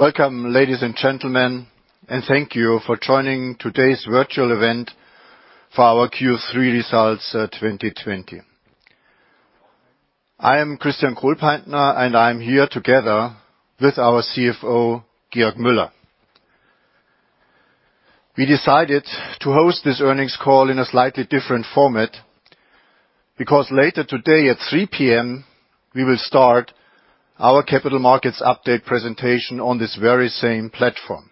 Welcome, ladies and gentlemen, and thank you for joining today's virtual event for our Q3 results, 2020. I am Christian Kohlpaintner, and I am here together with our CFO, Georg Müller. We decided to host this earnings call in a slightly different format, because later today at 3:00 P.M., we will start our capital markets update presentation on this very same platform.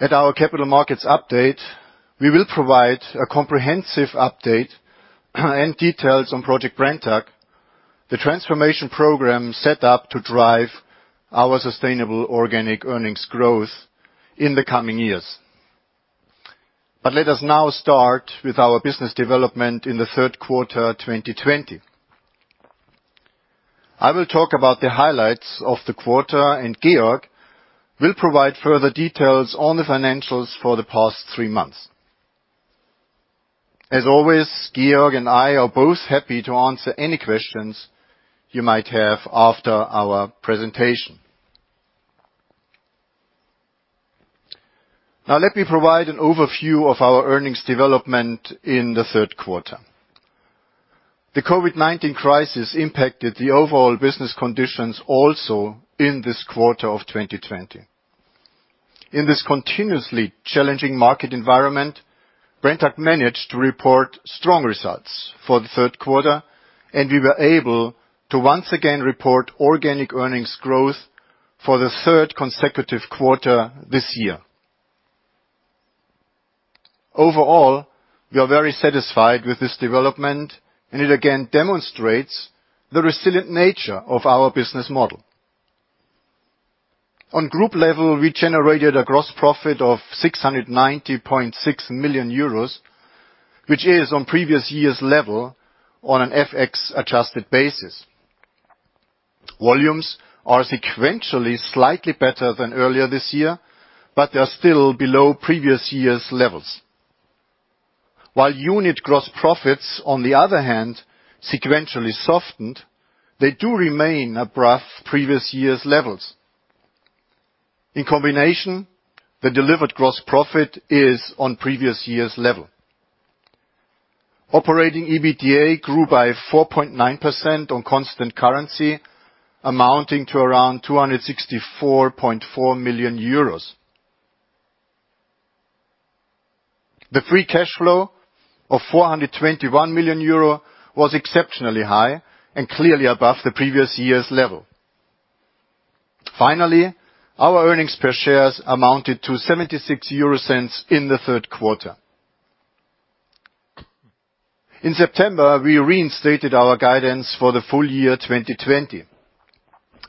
At our capital markets update, we will provide a comprehensive update and details on Project Brenntag, the transformation program set up to drive our sustainable organic earnings growth in the coming years. Let us now start with our business development in the third quarter, 2020. I will talk about the highlights of the quarter, and Georg will provide further details on the financials for the past three months. As always, Georg and I are both happy to answer any questions you might have after our presentation. Let me provide an overview of our earnings development in the third quarter. The COVID-19 crisis impacted the overall business conditions also in this quarter of 2020. In this continuously challenging market environment, Brenntag managed to report strong results for the third quarter, and we were able to once again report organic earnings growth for the third consecutive quarter this year. We are very satisfied with this development, and it again demonstrates the resilient nature of our business model. On group level, we generated a gross profit of 690.6 million euros, which is on previous year's level on an FX adjusted basis. Volumes are sequentially slightly better than earlier this year, but they are still below previous year's levels. While unit gross profits, on the other hand, sequentially softened, they do remain above previous year's levels. In combination, the delivered gross profit is on previous year's level. Operating EBITDA grew by 4.9% on constant currency, amounting to around 264.4 million euros. The free cash flow of 421 million euro was exceptionally high and clearly above the previous year's level. Finally, our earnings per share amounted to 0.76 in the third quarter. In September, we reinstated our guidance for the full year 2020.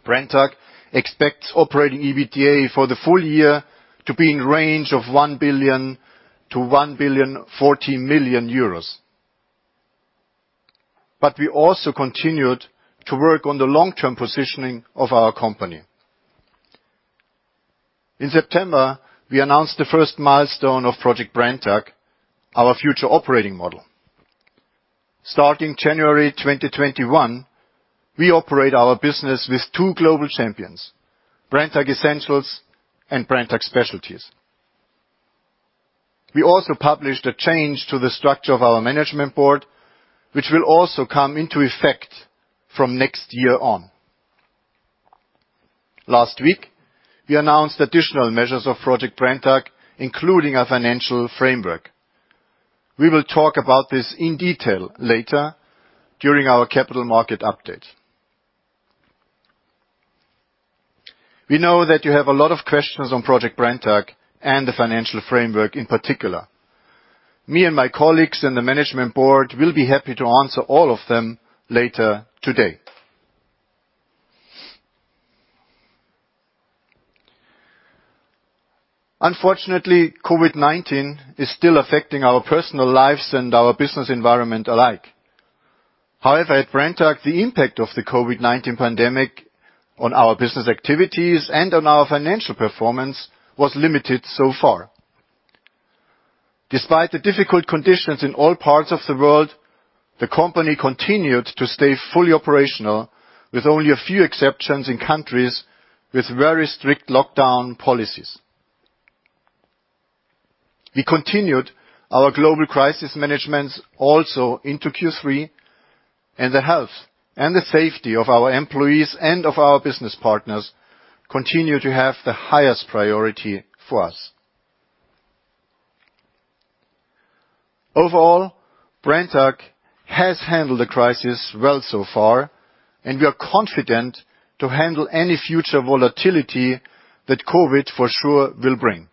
Brenntag expects operating EBITDA for the full year to be in range of 1.0 billion to 1.04 billion. We also continued to work on the long-term positioning of our company. In September, we announced the first milestone of Project Brenntag, our future operating model. Starting January 2021, we operate our business with two global divisions, Brenntag Essentials and Brenntag Specialties. We also published a change to the structure of our management board, which will also come into effect from next year on. Last week, we announced additional measures of Project Brenntag, including a financial framework. We will talk about this in detail later during our capital markets update. We know that you have a lot of questions on Project Brenntag and the financial framework in particular. Me and my colleagues on the management board will be happy to answer all of them later today. Unfortunately, COVID-19 is still affecting our personal lives and our business environment alike. However, at Brenntag, the impact of the COVID-19 pandemic on our business activities and on our financial performance was limited so far. Despite the difficult conditions in all parts of the world, the company continued to stay fully operational with only a few exceptions in countries with very strict lockdown policies. We continued our global crisis managements also into Q3, and the health and the safety of our employees and of our business partners continue to have the highest priority for us. Overall, Brenntag has handled the crisis well so far, and we are confident to handle any future volatility that COVID for sure will bring.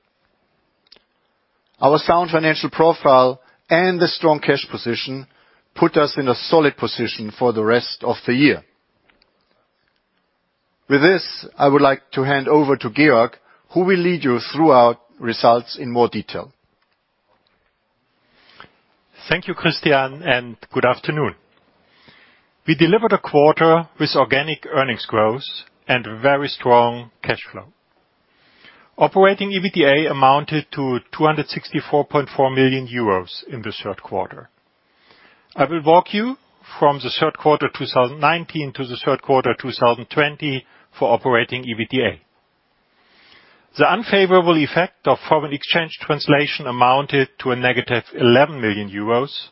Our sound financial profile and the strong cash position put us in a solid position for the rest of the year. With this, I would like to hand over to Georg, who will lead you through our results in more detail. Thank you, Christian, and good afternoon we deliver the quarter this organic growth and very strong cash flow. Operating EBITDA amounted to 264.4 million euros in the third quarter. I will walk you from the third quarter 2019 to the third quarter 2020 for operating EBITDA. The unfavorable effect of foreign exchange translation amounted to a negative 11 million euros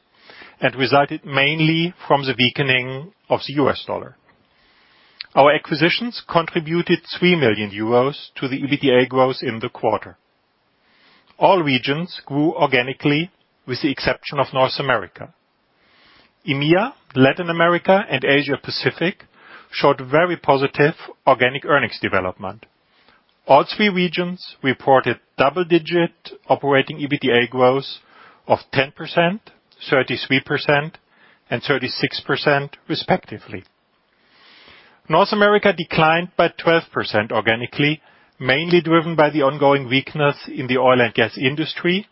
and resulted mainly from the weakening of the U.S. dollar. Our acquisitions contributed 3 million euros to the EBITDA growth in the quarter. All regions grew organically, with the exception of North America. EMEA, Latin America, and Asia-Pacific showed very positive organic earnings development. All three regions reported double-digit operating EBITDA growth of 10%, 33%, and 36%, respectively. North America declined by 12% organically, mainly driven by the ongoing weakness in the oil and gas industry,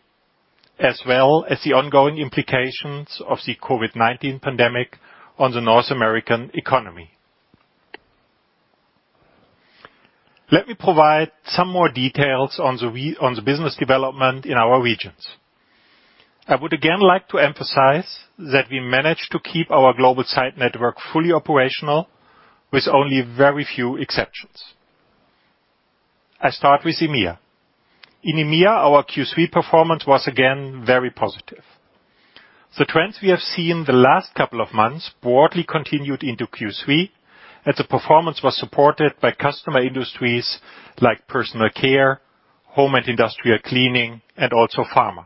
as well as the ongoing implications of the COVID-19 pandemic on the North American economy. Let me provide some more details on the business development in our regions. I would again like to emphasize that we managed to keep our global site network fully operational with only very few exceptions. I start with EMEA. In EMEA, our Q3 performance was again very positive. The trends we have seen the last couple of months broadly continued into Q3, and the performance was supported by customer industries like personal care, home and industrial cleaning, and also pharma.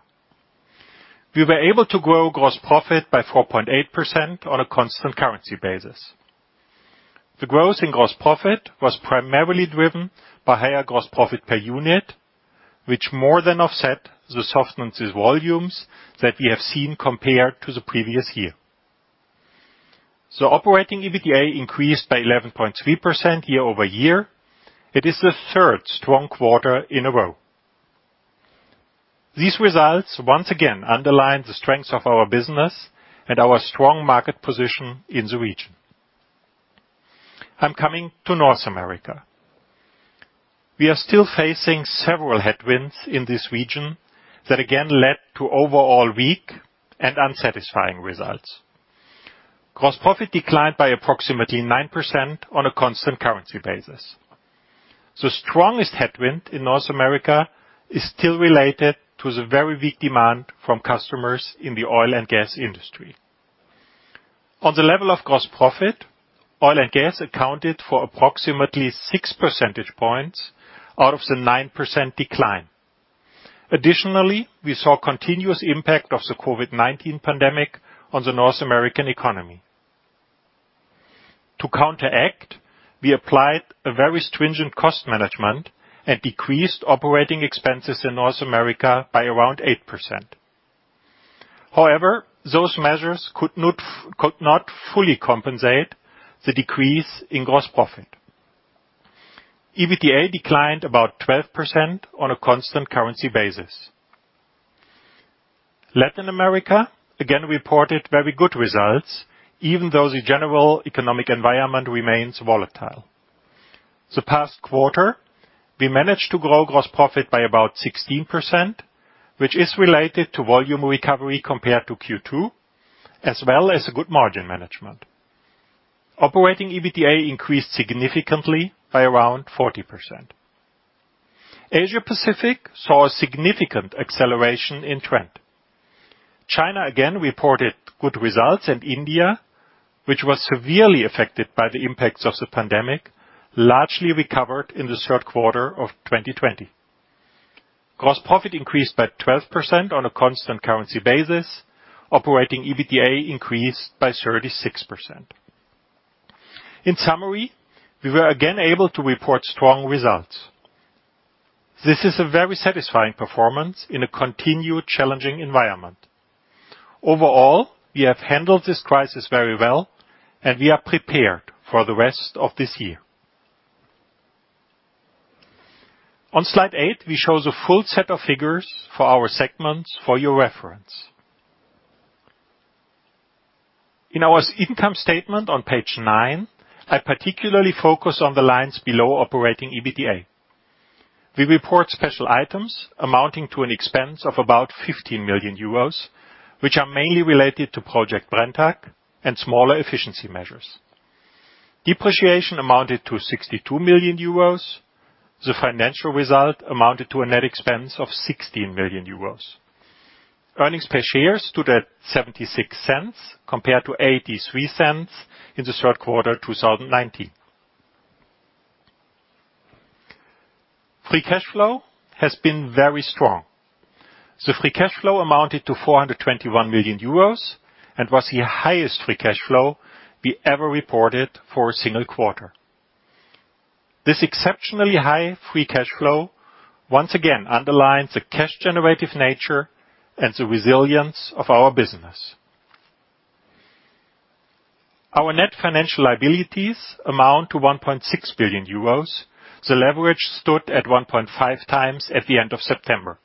We were able to grow gross profit by 4.8% on a constant currency basis. The growth in gross profit was primarily driven by higher gross profit per unit, which more than offset the softness volumes that we have seen compared to the previous year. Operating EBITDA increased by 11.3% year-over-year. It is the third strong quarter in a row. These results once again underline the strength of our business and our strong market position in the region. I'm coming to North America. We are still facing several headwinds in this region that again led to overall weak and unsatisfying results. Gross profit declined by approximately 9% on a constant currency basis. The strongest headwind in North America is still related to the very weak demand from customers in the oil and gas industry. On the level of gross profit, oil and gas accounted for approximately six percentage points out of the 9% decline. Additionally, we saw continuous impact of the COVID-19 pandemic on the North American economy. To counteract, we applied a very stringent cost management and decreased operating expenses in North America by around 8%. However, those measures could not fully compensate the decrease in gross profit. EBITDA declined about 12% on a constant currency basis. Latin America again reported very good results, even though the general economic environment remains volatile. The past quarter, we managed to grow gross profit by about 16%, which is related to volume recovery compared to Q2, as well as good margin management. Operating EBITDA increased significantly by around 40%. Asia-Pacific saw a significant acceleration in trend. China again reported good results, and India, which was severely affected by the impacts of the pandemic, largely recovered in the third quarter of 2020. Gross profit increased by 12% on a constant currency basis. Operating EBITDA increased by 36%. In summary, we were again able to report strong results. This is a very satisfying performance in a continued challenging environment. Overall, we have handled this crisis very well, and we are prepared for the rest of this year. On slide eight, we show the full set of figures for our segments for your reference. In our income statement on page nine, I particularly focus on the lines below operating EBITDA. We report special items amounting to an expense of about 15 million euros, which are mainly related to Project Brenntag and smaller efficiency measures. Depreciation amounted to 62 million euros. The financial result amounted to a net expense of 16 million euros. Earnings per share stood at 0.76 compared to 0.83 in the third quarter 2019. Free cash flow has been very strong. Free cash flow amounted to 421 million euros and was the highest free cash flow we ever reported for a single quarter. This exceptionally high free cash flow once again underlines the cash generative nature and the resilience of our business. Our net financial liabilities amount to 1.6 billion euros. The leverage stood at 1.5x at the end of September.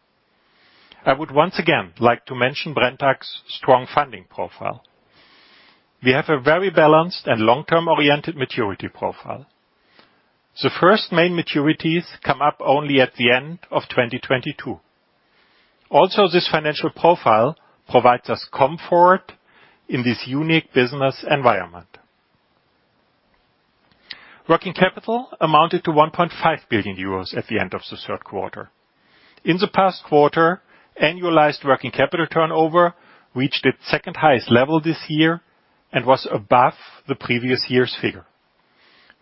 I would once again like to mention Brenntag's strong funding profile. We have a very balanced and long-term-oriented maturity profile. The first main maturities come up only at the end of 2022. This financial profile provides us comfort in this unique business environment. Working capital amounted to 1.5 billion euros at the end of the third quarter. In the past quarter, annualized working capital turnover reached its second-highest level this year and was above the previous year's figure.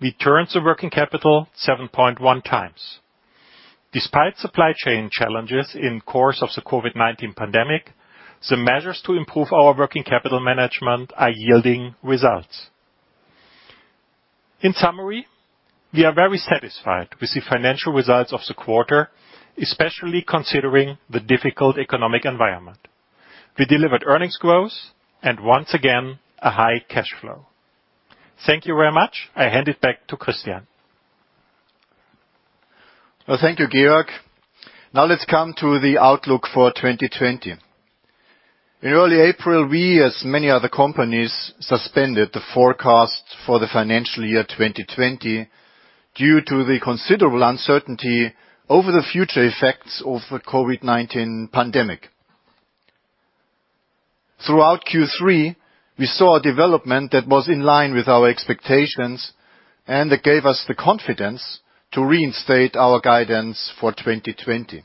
We turned the working capital 7.1x. Despite supply chain challenges in course of the COVID-19 pandemic, the measures to improve our working capital management are yielding results. In summary, we are very satisfied with the financial results of the quarter, especially considering the difficult economic environment. We delivered earnings growth and, once again, a high cash flow. Thank you very much. I hand it back to Christian. Well, thank you, Georg. Let's come to the outlook for 2020. In early April, we, as many other companies, suspended the forecast for the financial year 2020 due to the considerable uncertainty over the future effects of the COVID-19 pandemic. Throughout Q3, we saw a development that was in line with our expectations and that gave us the confidence to reinstate our guidance for 2020.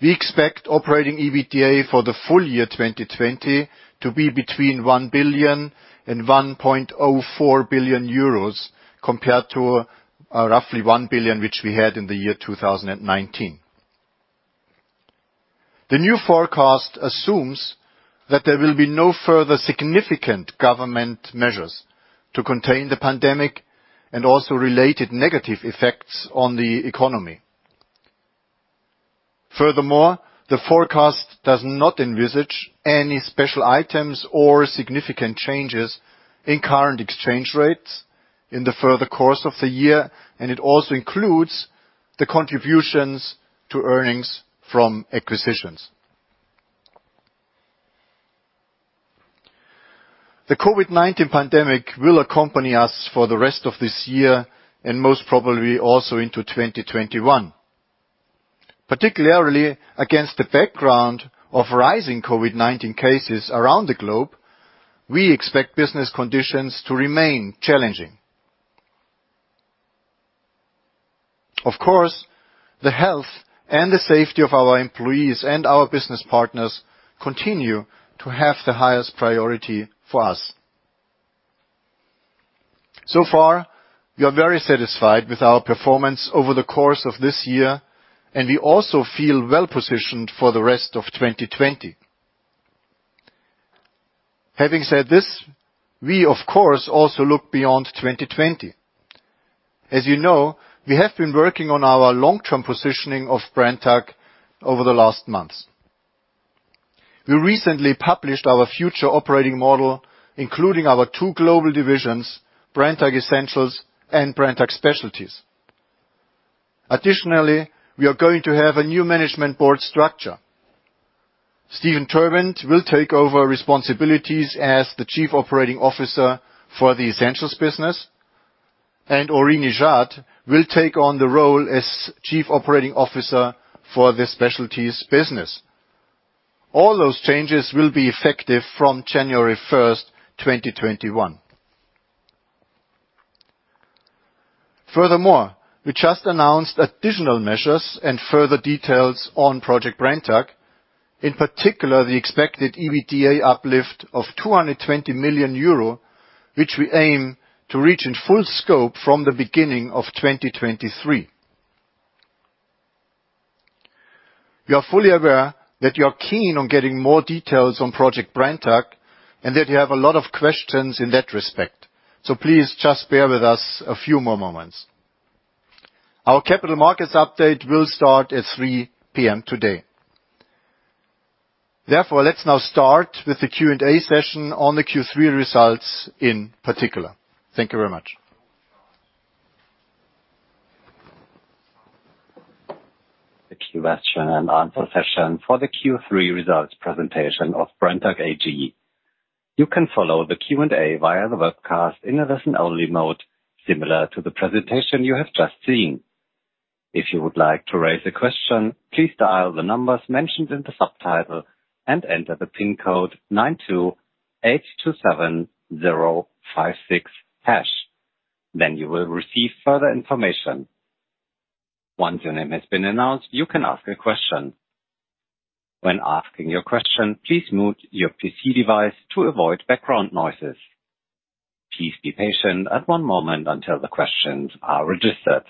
We expect operating EBITDA for the full year 2020 to be between 1 billion and 1.04 billion euros compared to roughly 1 billion, which we had in the year 2019. The new forecast assumes that there will be no further significant government measures to contain the pandemic and also related negative effects on the economy. Furthermore, the forecast does not envisage any special items or significant changes in current exchange rates in the further course of the year, and it also includes the contributions to earnings from acquisitions. The COVID-19 pandemic will accompany us for the rest of this year and most probably also into 2021. Particularly against the background of rising COVID-19 cases around the globe, we expect business conditions to remain challenging. Of course, the health and the safety of our employees and our business partners continue to have the highest priority for us. So far, we are very satisfied with our performance over the course of this year, and we also feel well-positioned for the rest of 2020. Having said this, we of course also look beyond 2020. As you know, we have been working on our long-term positioning of Brenntag over the last months. We recently published our future operating model, including our two global divisions, Brenntag Essentials and Brenntag Specialties. Additionally, we are going to have a new management board structure. Steven Terwindt will take over responsibilities as the Chief Operating Officer for the Essentials business, and Henri Nejade will take on the role as Chief Operating Officer for the Specialties business. All those changes will be effective from January 1, 2021. Furthermore, we just announced additional measures and further details on Project Brenntag, in particular, the expected EBITDA uplift of 220 million euro, which we aim to reach in full scope from the beginning of 2023. We are fully aware that you are keen on getting more details on Project Brenntag and that you have a lot of questions in that respect, so please just bear with us a few more moments. Our capital markets update will start at 3:00 P.M. today. Let's now start with the Q&A session on the Q3 results in particular. Thank you very much. The question-and-answer session for the Q3 results presentation of Brenntag AG. You can follow the Q&A via the webcast in a listen-only mode, similar to the presentation you have just seen. If you would like to raise a question, please dial the numbers mentioned in the subtitle and enter the pin code 92827056#. You will receive further information. Once your name has been announced, you can ask a question. When asking your question, please mute your PC device to avoid background noises. Please be patient, one moment until the questions are registered.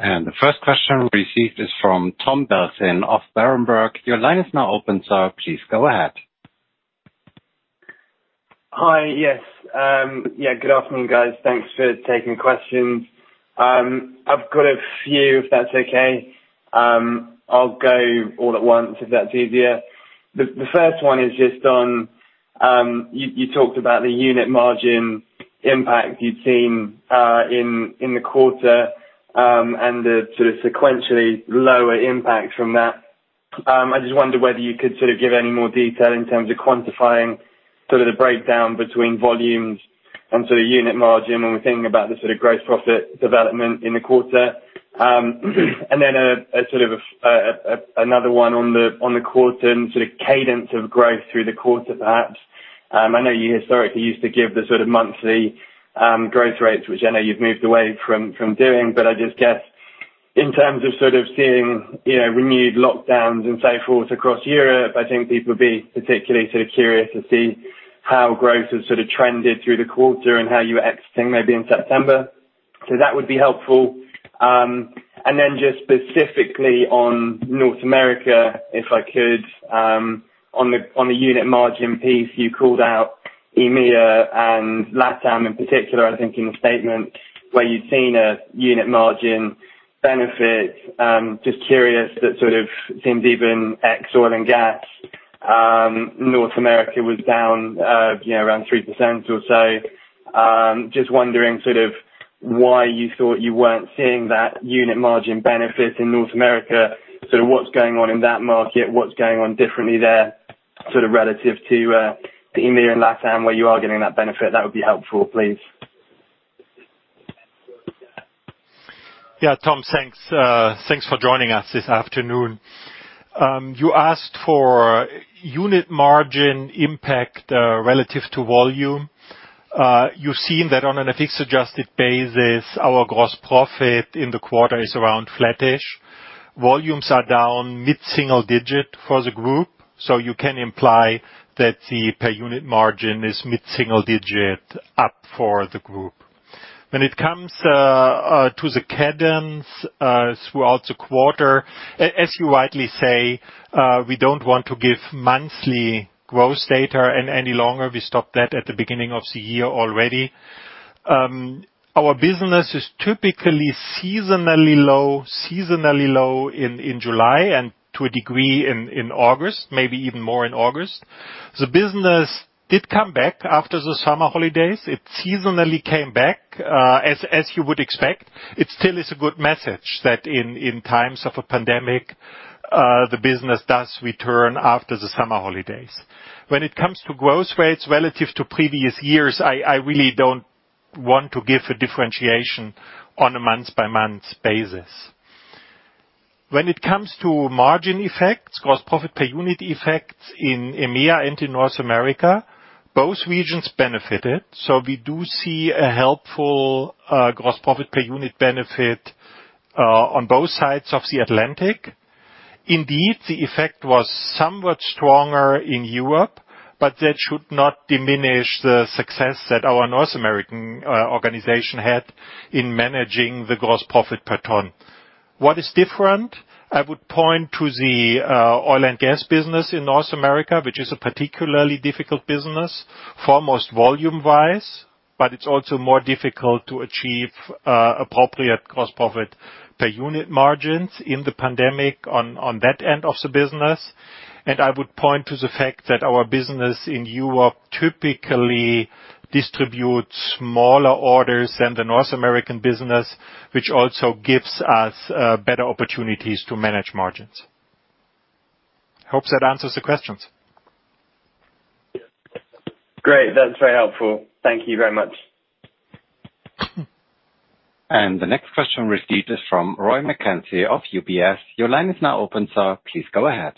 The first question received is from Tom Burlton of Berenberg. Your line is now open, sir. Please go ahead. Hi, yes. Good afternoon, guys. Thanks for taking questions. I've got a few if that's okay. I'll go all at once if that's easier. The first one is just on, you talked about the unit margin impact you've seen in the quarter, and the sequentially lower impact from that. I just wonder whether you could give any more detail in terms of quantifying the breakdown between volumes and unit margin when we're thinking about the gross profit development in the quarter. Another one on the quarter and cadence of growth through the quarter, perhaps. I know you historically used to give the monthly growth rates, which I know you've moved away from doing, but I just guess in terms of seeing renewed lockdowns and so forth across Europe, I think people would be particularly curious to see how growth has trended through the quarter and how you were exiting maybe in September. That would be helpful. Then just specifically on North America, if I could, on the unit margin piece you called out EMEA and LatAm in particular, I think in the statement where you've seen a unit margin benefit. Just curious, that sort of seems even ex oil and gas, North America was down around 3% or so. Just wondering sort of why you thought you weren't seeing that unit margin benefit in North America, sort of what's going on in that market, what's going on differently there, sort of relative to the EMEA and LatAm, where you are getting that benefit? That would be helpful, please. Yeah. Tom, thanks. Thanks for joining us this afternoon. You asked for unit margin impact, relative to volume. You've seen that on an FX-adjusted basis, our gross profit in the quarter is around flattish. Volumes are down mid-single digit for the group, so you can imply that the per unit margin is mid-single digit up for the group. When it comes to the cadence, throughout the quarter, as you rightly say, we don't want to give monthly gross data any longer. We stopped that at the beginning of the year already. Our business is typically seasonally low in July and to a degree in August, maybe even more in August. The business did come back after the summer holidays. It seasonally came back, as you would expect. It still is a good message that in times of a pandemic, the business does return after the summer holidays. When it comes to growth rates relative to previous years, I really don't want to give a differentiation on a month-by-month basis. When it comes to margin effects, gross profit per unit effects in EMEA and in North America, both regions benefited. We do see a helpful gross profit per unit benefit on both sides of the Atlantic. Indeed, the effect was somewhat stronger in Europe, but that should not diminish the success that our North American organization had in managing the gross profit per ton. What is different? I would point to the oil and gas business in North America, which is a particularly difficult business, foremost volume-wise, but it's also more difficult to achieve appropriate gross profit per unit margins in the pandemic on that end of the business. I would point to the fact that our business in Europe typically distributes smaller orders than the North American business, which also gives us better opportunities to manage margins. Hope that answers the questions. Great. That's very helpful. Thank you very much. The next question received is from Rory McKenzie of UBS. Your line is now open, sir. Please go ahead.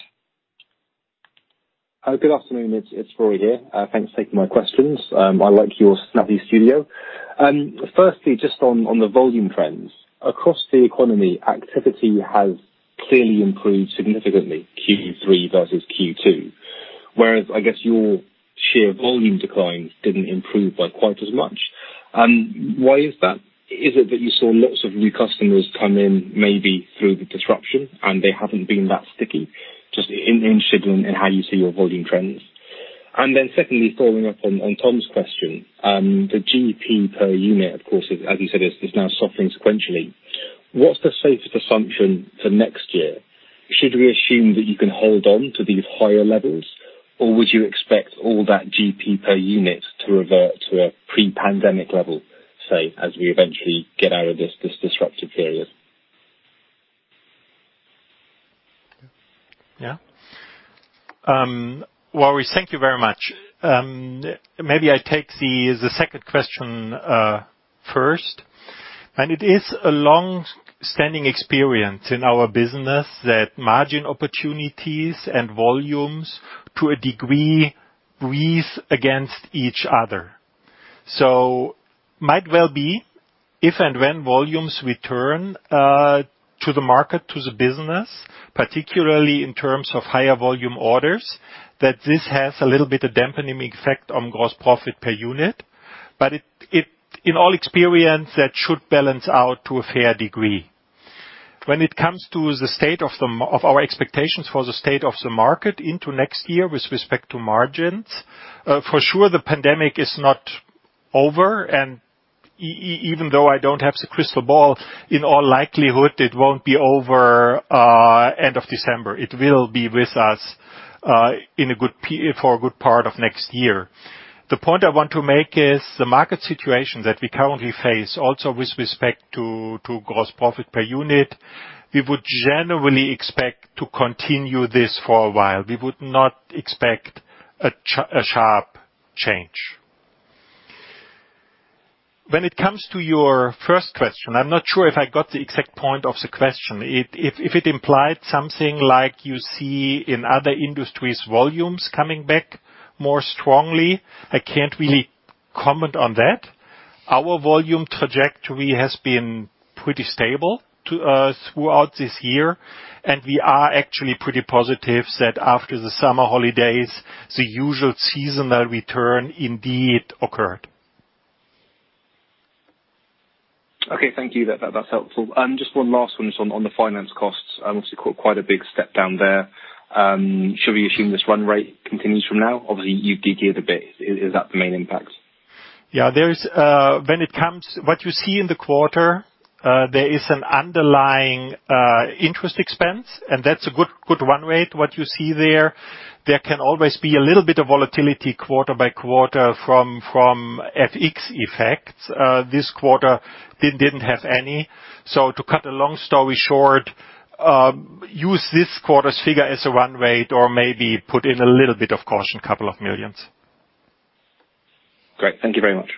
Good afternoon. It's Rory here. Thanks for taking my questions. I like your snazzy studio. Firstly, just on the volume trends. Across the economy, activity has clearly improved significantly, Q3 versus Q2, whereas I guess your sheer volume declines didn't improve by quite as much. Why is that? Is it that you saw lots of new customers come in, maybe through the disruption, and they haven't been that sticky? Just interested in how you see your volume trends. Secondly, following up on Tom's question. The GP per unit, of course, as you said, is now softening sequentially. What's the safest assumption for next year? Should we assume that you can hold on to these higher levels, or would you expect all that GP per unit to revert to a pre-pandemic level, say, as we eventually get out of this disruptive period? Yeah. Rory, thank you very much. Maybe I take the second question first. It is a long-standing experience in our business that margin opportunities and volumes, to a degree, breathe against each other. Might well be, if and when volumes return to the market, to the business, particularly in terms of higher volume orders, that this has a little bit of dampening effect on gross profit per unit. In all experience, that should balance out to a fair degree. When it comes to the state of our expectations for the state of the market into next year with respect to margins. For sure, the pandemic is not over, and even though I don't have the crystal ball, in all likelihood, it won't be over end of December. It will be with us for a good part of next year. The point I want to make is the market situation that we currently face, also with respect to gross profit per unit, we would generally expect to continue this for a while. We would not expect a sharp change. When it comes to your first question, I'm not sure if I got the exact point of the question. If it implied something like you see in other industries, volumes coming back more strongly, I can't really comment on that. Our volume trajectory has been pretty stable to us throughout this year, and we are actually pretty positive that after the summer holidays, the usual seasonal return indeed occurred. Okay, thank you. That's helpful. Just one last one. It's on the finance costs. Obviously, quite a big step down there. Should we assume this run rate continues from now? Obviously, you de-geared a bit. Is that the main impact? Yeah. What you see in the quarter, there is an underlying interest expense, and that's a good run rate what you see there. There can always be a little bit of volatility quarter by quarter from FX effects. This quarter, didn't have any. To cut a long story short, use this quarter's figure as a run rate or maybe put in a little bit of caution, a couple of million. Great. Thank you very much.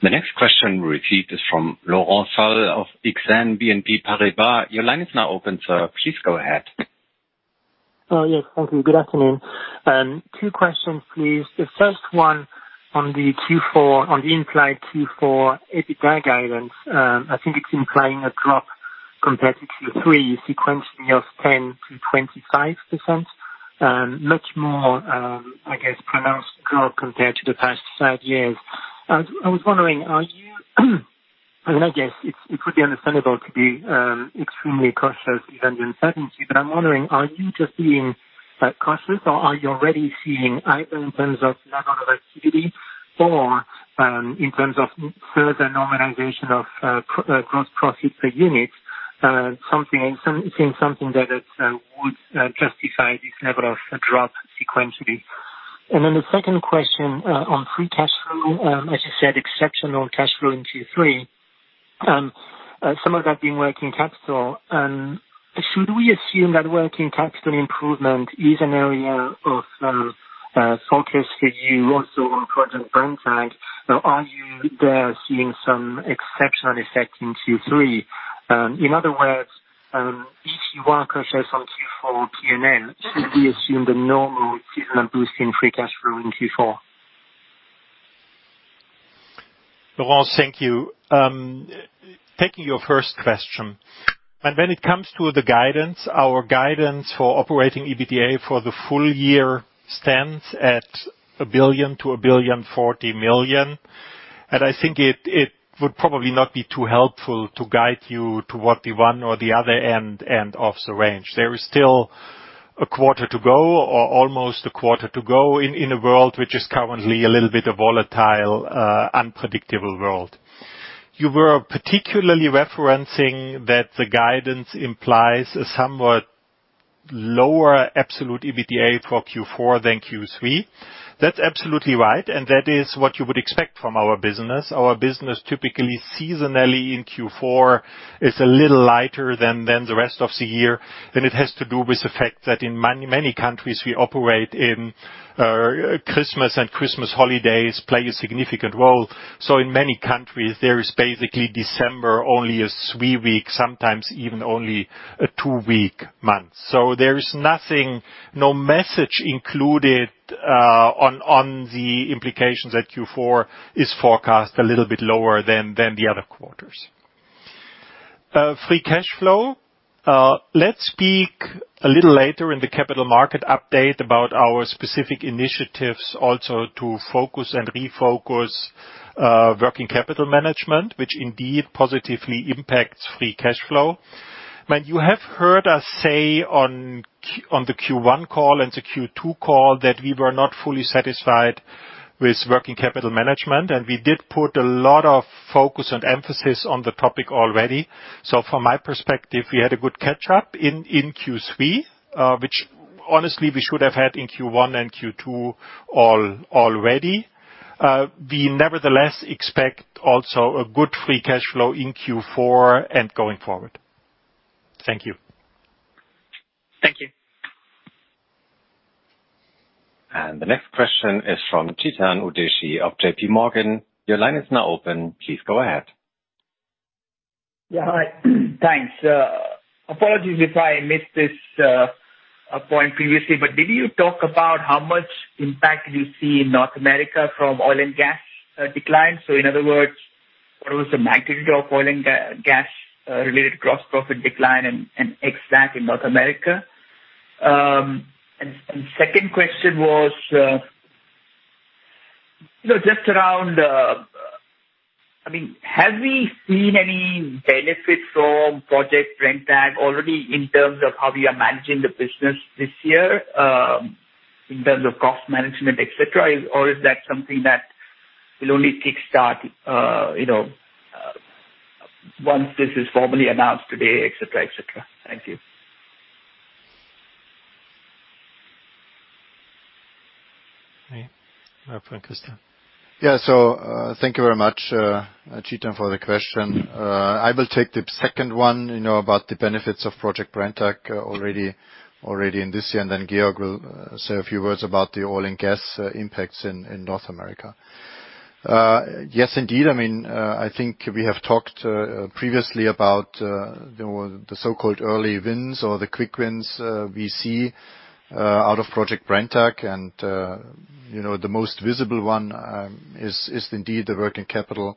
The next question we'll receive is from Laurent Favre of Exane BNP Paribas. Your line is now open, sir. Please go ahead. Oh, yes. Thank you. Good afternoon. Two questions, please. The first one on the implied Q4 EBITDA guidance. I think it's implying a drop compared to Q3 sequencing of 10%-25%. Much more, I guess, pronounced drop compared to the past five years. I was wondering, and I guess it could be understandable to be extremely cautious given the uncertainty, but I'm wondering, are you just being cautious or are you already seeing either in terms of level of activity or in terms of further normalization of gross profit per unit, seeing something that would justify this level of drop sequentially? The second question on free cash flow, as you said, exceptional cash flow in Q3. Some of that being working capital. Should we assume that working capital improvement is an area of focus for you also on Project Brenntag? Are you there seeing some exceptional effect in Q3? In other words, if you are cautious on Q4 P&L, should we assume the normal seasonal boost in free cash flow in Q4? Laurent, thank you. Taking your first question, when it comes to the guidance, our guidance for operating EBITDA for the full year stands at 1 billion-1.04 billion. I think it would probably not be too helpful to guide you to what the one or the other end of the range. There is still a quarter to go or almost a quarter to go in a world which is currently a little bit of volatile, unpredictable world. You were particularly referencing that the guidance implies a somewhat lower absolute EBITDA for Q4 than Q3. That's absolutely right, that is what you would expect from our business. Our business typically seasonally in Q4 is a little lighter than the rest of the year, and it has to do with the fact that in many countries we operate in, Christmas and Christmas holidays play a significant role. In many countries, there is basically December only a three-week, sometimes even only a two-week month. There is nothing, no message included, on the implications that Q4 is forecast a little bit lower than the other quarters. Free cash flow. Let's speak a little later in the capital markets update about our specific initiatives also to focus and refocus working capital management, which indeed positively impacts free cash flow. You have heard us say on the Q1 call and the Q2 call that we were not fully satisfied with working capital management, and we did put a lot of focus and emphasis on the topic already. From my perspective, we had a good catch up in Q3, which honestly we should have had in Q1 and Q2 already. We nevertheless expect also a good free cash flow in Q4 and going forward. Thank you. Thank you. The next question is from Chetan Udeshi of JPMorgan. Your line is now open. Please go ahead. Yeah. Hi. Thanks. Apologies if I missed this point previously, did you talk about how much impact did you see in North America from oil and gas decline? In other words, what was the magnitude of oil and gas related gross profit decline and exact in North America? Second question was, just around, have we seen any benefit from Project Brenntag already in terms of how we are managing the business this year, in terms of cost management, et cetera? Is that something that will only kickstart once this is formally announced today, et cetera? Thank you. Right. You start. Thank you very much, Chetan, for the question. I will take the second one about the benefits of Project Brenntag already in this year, and then Georg will say a few words about the oil and gas impacts in North America. Yes, indeed. I think we have talked previously about the so-called early wins or the quick wins we see out of Project Brenntag. The most visible one is indeed the working capital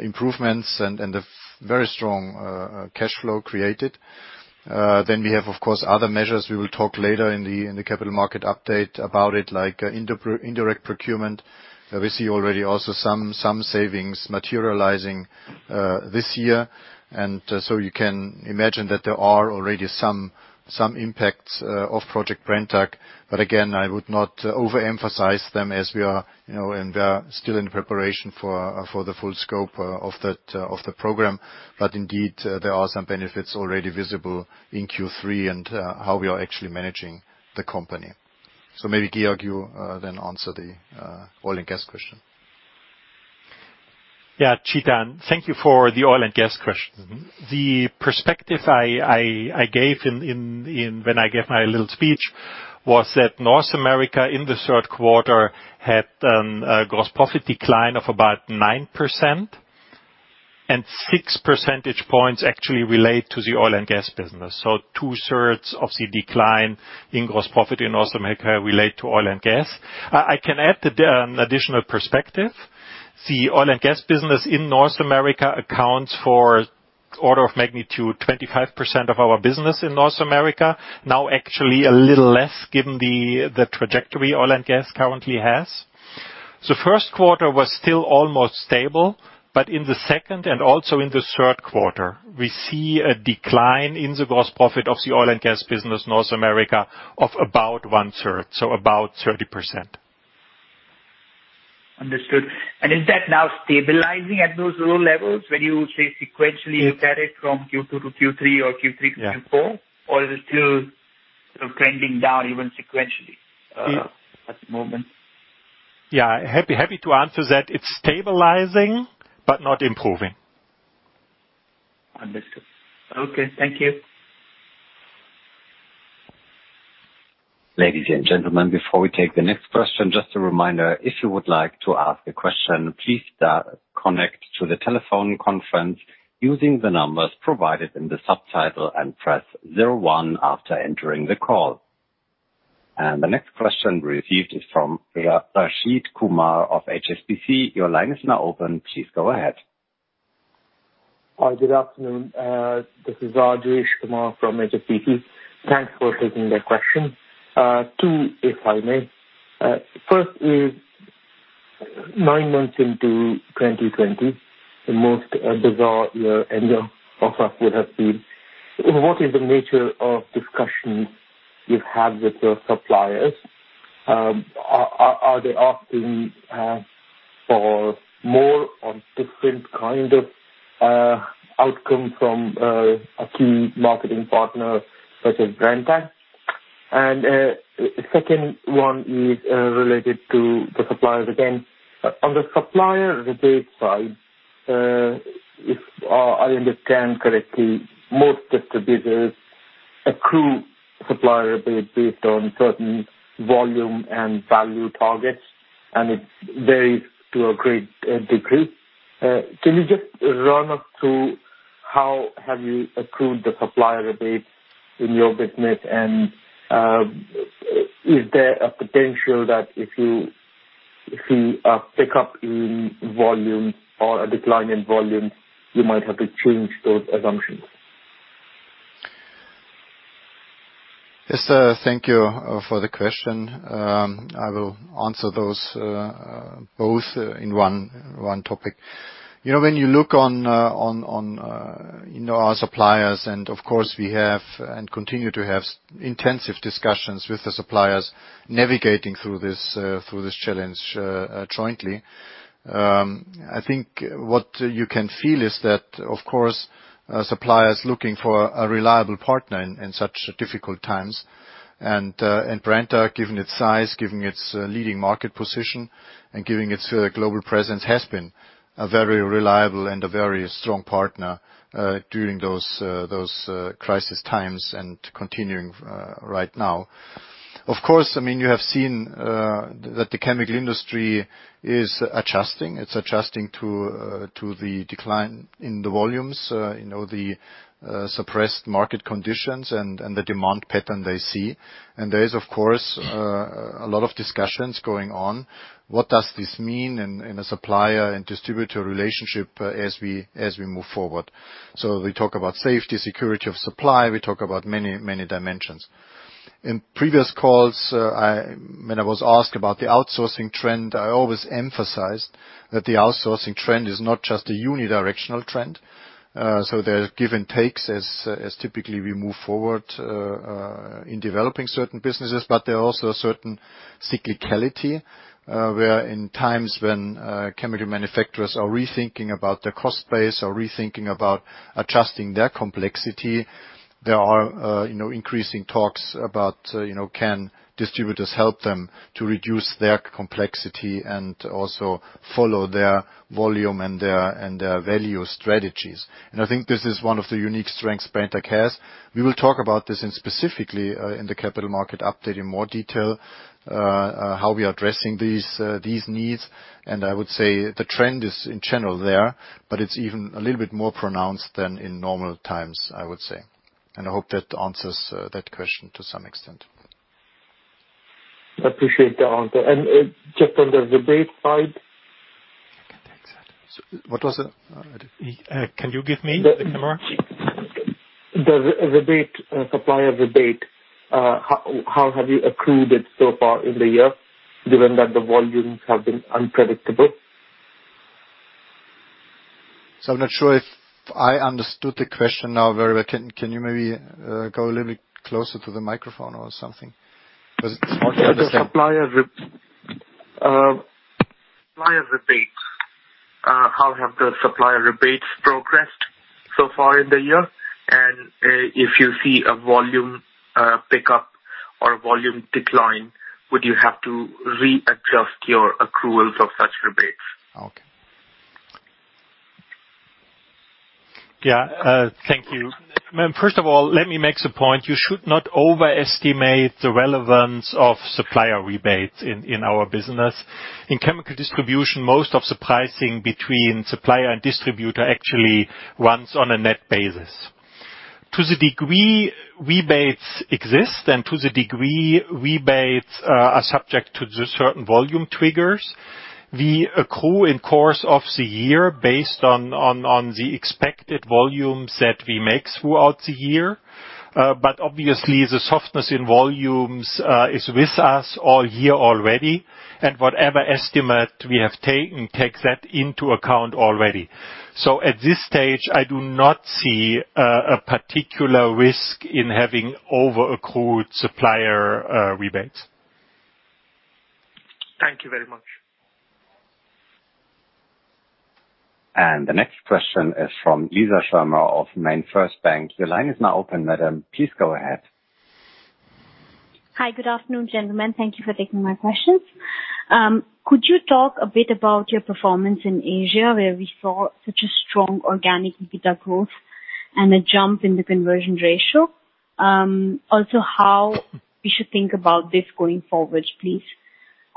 improvements and the very strong cash flow created. We have, of course, other measures we will talk later in the capital markets update about it, like indirect procurement. We see already also some savings materializing this year. You can imagine that there are already some impacts of Project Brenntag. Again, I would not overemphasize them as we are still in preparation for the full scope of the program. Indeed, there are some benefits already visible in Q3 and how we are actually managing the company. Maybe, Georg, you then answer the oil and gas question. Yeah. Chetan, thank you for the oil and gas question. The perspective I gave when I gave my little speech was that North America in the third quarter had a gross profit decline of about 9%, and six percentage points actually relate to the oil and gas business. Two-thirds of the decline in gross profit in North America relate to oil and gas. I can add an additional perspective. The oil and gas business in North America accounts for order of magnitude 25% of our business in North America. Actually a little less given the trajectory oil and gas currently has. First quarter was still almost stable, but in the second and also in the third quarter, we see a decline in the gross profit of the oil and gas business in North America of about 1/3, so about 30%. Understood. Is that now stabilizing at those low levels when you say sequentially you look at it from Q2 to Q3 or Q3 to Q4? Yeah. Is it still trending down even sequentially at the moment? Yeah. Happy to answer that. It's stabilizing but not improving. Understood. Okay. Thank you. Ladies and gentlemen, before we take the next question, just a reminder, if you would like to ask a question, please connect to the telephone conference using the numbers provided in the subtitle and press zero one after entering the call. The next question received is from Rajesh Kumar of HSBC. Your line is now open. Please go ahead. Hi. Good afternoon. This is Rajesh Kumar from HSBC. Thanks for taking the question. Two, if I may. First is, nine months into 2020, the most bizarre year any of us would have seen. What is the nature of discussions you've had with your suppliers? Are they asking for more on different kind of outcome from a key marketing partner such as Brenntag? Second one is related to the suppliers again. On the supplier rebate side, if I understand correctly, most distributors accrue supplier rebate based on certain volume and value targets, and it varies to a great degree. Can you just run us through how have you accrued the supplier rebates in your business? Is there a potential that if you see a pickup in volume or a decline in volume, you might have to change those assumptions? Yes, sir. Thank you for the question. I will answer those both in one topic. When you look on our suppliers and, of course, we have and continue to have intensive discussions with the suppliers navigating through this challenge jointly. I think what you can feel is that, of course, suppliers looking for a reliable partner in such difficult times. Brenntag, given its size, given its leading market position, and given its global presence, has been a very reliable and a very strong partner during those crisis times and continuing right now. Of course, you have seen that the chemical industry is adjusting. It's adjusting to the decline in the volumes, the suppressed market conditions, and the demand pattern they see. There is, of course, a lot of discussions going on. What does this mean in a supplier and distributor relationship as we move forward? We talk about safety, security of supply, we talk about many dimensions. In previous calls, when I was asked about the outsourcing trend, I always emphasized that the outsourcing trend is not just a unidirectional trend. There's give and takes as typically we move forward in developing certain businesses, but there are also a certain cyclicality, where in times when chemical manufacturers are rethinking about their cost base or rethinking about adjusting their complexity, there are increasing talks about can distributors help them to reduce their complexity and also follow their volume and their value strategies. I think this is one of the unique strengths Brenntag has. We will talk about this specifically in the capital markets update in more detail, how we are addressing these needs. I would say the trend is in general there, but it's even a little bit more pronounced than in normal times, I would say. I hope that answers that question to some extent. Appreciate the answer. Just on the rebate side. What was it? Can you give me the camera? The rebate, supplier rebate, how have you accrued it so far in the year, given that the volumes have been unpredictable? I'm not sure if I understood the question now very well. Can you maybe go a little bit closer to the microphone or something? It's hard to understand. Supplier rebates. How have the supplier rebates progressed so far in the year? If you see a volume pickup or a volume decline, would you have to readjust your accruals of such rebates? Okay. Yeah. Thank you. First of all, let me make the point, you should not overestimate the relevance of supplier rebates in our business. In chemical distribution, most of the pricing between supplier and distributor actually runs on a net basis. To the degree rebates exist and to the degree rebates are subject to the certain volume triggers, we accrue in course of the year based on the expected volumes that we make throughout the year. Obviously, the softness in volumes is with us all year already, and whatever estimate we have taken takes that into account already. At this stage, I do not see a particular risk in having over-accrued supplier rebates. Thank you very much. The next question is from Isha Sharma of MainFirst Bank. Your line is now open, madam. Please go ahead. Hi. Good afternoon, gentlemen. Thank you for taking my questions. Could you talk a bit about your performance in Asia, where we saw such a strong organic EBITDA growth and a jump in the conversion ratio? How we should think about this going forward, please.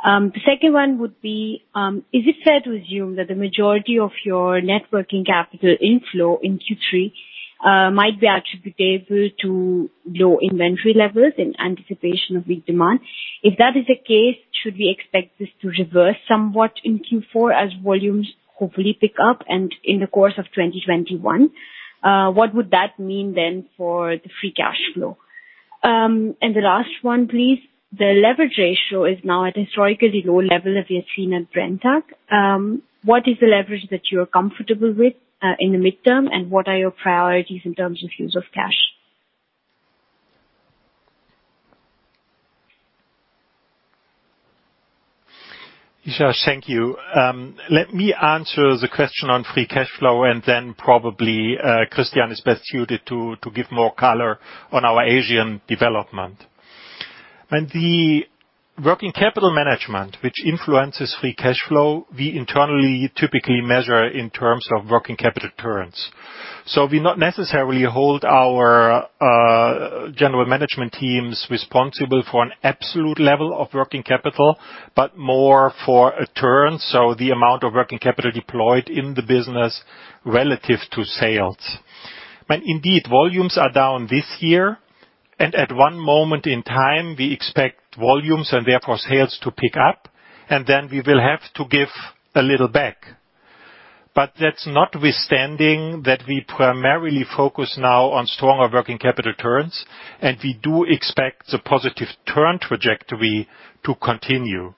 The second one would be, is it fair to assume that the majority of your net working capital inflow in Q3 might be attributable to low inventory levels in anticipation of weak demand? If that is the case, should we expect this to reverse somewhat in Q4 as volumes hopefully pick up and in the course of 2021? What would that mean then for the free cash flow? The last one, please. The leverage ratio is now at historically low level we have seen at Brenntag. What is the leverage that you're comfortable with in the midterm, and what are your priorities in terms of use of cash? Isha, thank you. Let me answer the question on free cash flow, and then probably Christian is best suited to give more color on our Asian development. The working capital management, which influences free cash flow, we internally typically measure in terms of working capital turns. We not necessarily hold our general management teams responsible for an absolute level of working capital, but more for a turn. The amount of working capital deployed in the business relative to sales. Indeed, volumes are down this year. At one moment in time, we expect volumes and therefore sales to pick up, and then we will have to give a little back. That's notwithstanding that we primarily focus now on stronger working capital turns, and we do expect the positive turn trajectory to continue.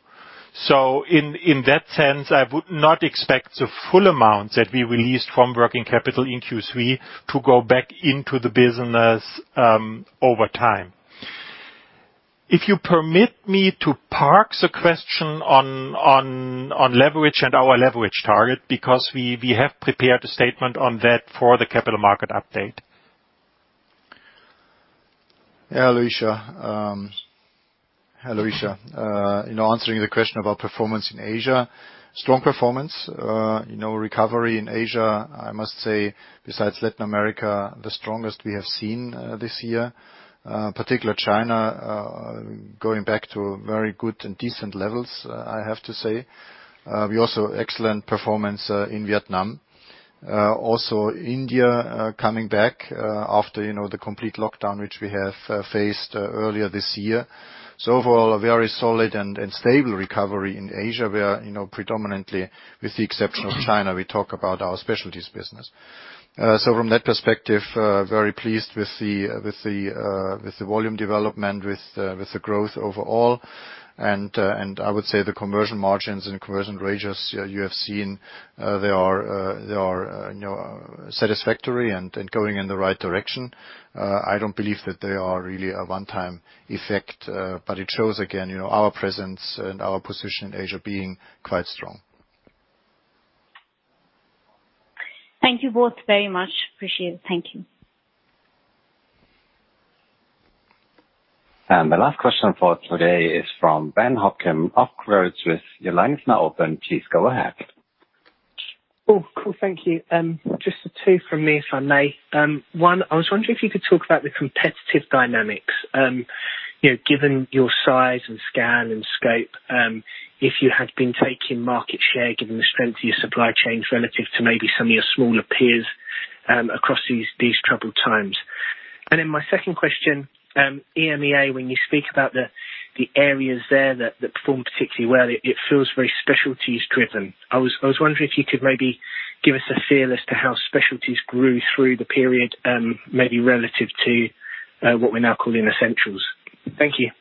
In that sense, I would not expect the full amount that we released from working capital in Q3 to go back into the business over time. If you permit me to park the question on leverage and our leverage target, because we have prepared a statement on that for the capital markets update. Yeah, Isha. Answering the question about performance in Asia. Strong performance. Recovery in Asia, I must say, besides Latin America, the strongest we have seen this year. Particularly China, going back to very good and decent levels, I have to say. We also excellent performance in Vietnam. India coming back after the complete lockdown, which we have faced earlier this year. Overall, a very solid and stable recovery in Asia, where predominantly with the exception of China, we talk about our Specialties business. From that perspective, very pleased with the volume development, with the growth overall. I would say the conversion margins and conversion ratios you have seen, they are satisfactory and going in the right direction. I don't believe that they are really a one-time effect, but it shows again our presence and our position in Asia being quite strong. Thank you both very much. Appreciate it. Thank you. The last question for today is from [Ben Hopkim] of Credit Suisse. Your line is now open. Please go ahead. Oh, cool. Thank you. Just two from me, if I may. One, I was wondering if you could talk about the competitive dynamics. Given your size and scan and scope, if you had been taking market share, given the strength of your supply chains relative to maybe some of your smaller peers across these troubled times. My second question, EMEA, when you speak about the areas there that perform particularly well, it feels very Specialties driven. I was wondering if you could maybe give us a feel as to how Specialties grew through the period, maybe relative to what we're now calling Essentials. Thank you.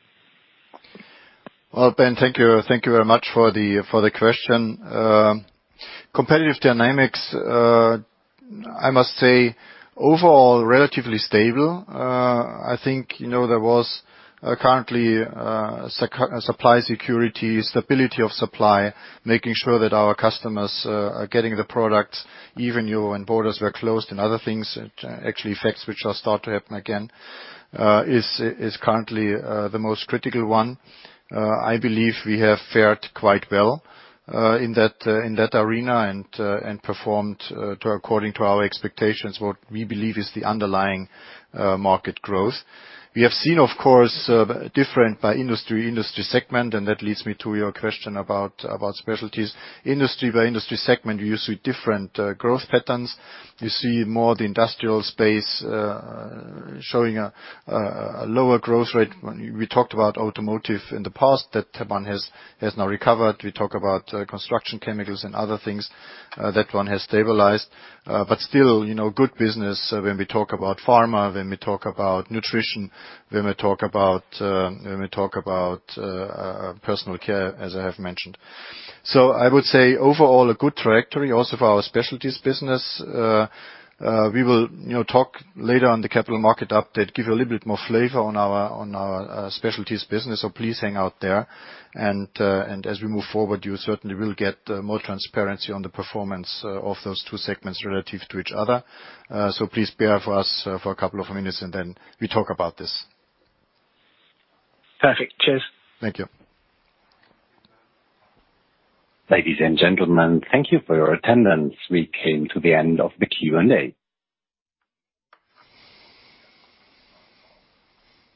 Well, Ben, thank you very much for the question. Competitive dynamics, I must say, overall, relatively stable. I think there was currently supply security, stability of supply, making sure that our customers are getting the product even when borders were closed and other things, actually effects which are start to happen again, is currently the most critical one. I believe we have fared quite well in that arena and performed according to our expectations, what we believe is the underlying market growth. We have seen, of course, different by industry segment, and that leads me to your question about specialties. Industry by industry segment, you see different growth patterns. You see more of the industrial space showing a lower growth rate. We talked about automotive in the past, that one has now recovered. We talk about construction chemicals and other things, that one has stabilized. Still, good business when we talk about pharma, when we talk about nutrition, when we talk about personal care, as I have mentioned. I would say overall, a good trajectory also for our Specialties business. We will talk later on the capital markets update, give you a little bit more flavor on our Specialties business. Please hang out there. As we move forward, you certainly will get more transparency on the performance of those two segments relative to each other. Please bear with us for a couple of minutes, we talk about this. Perfect. Cheers. Thank you. Ladies and gentlemen, thank you for your attendance. We came to the end of the Q&A.